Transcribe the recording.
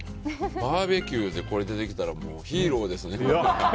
バーベキューでこれが出てきたらヒーローですね。